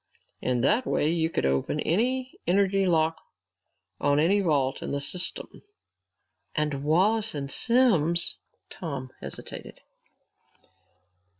In that way you could open any energy lock on any vault in the system." "And Wallace and Simms " Tom hesitated.